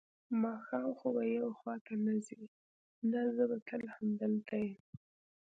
ماښام خو به یو خوا ته نه ځې؟ نه، زه به تل همدلته یم.